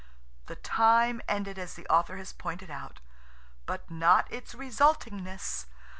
The time ended as the author has pointed out, but not its resultingness.